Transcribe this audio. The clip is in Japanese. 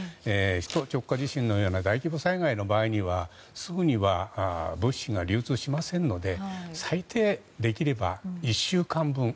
首都直下地震のような大規模災害の場合はすぐには物資が流通しませんので最低できれば１週間分